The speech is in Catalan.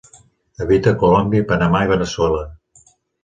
Habita a Colòmbia, Panamà i Veneçuela.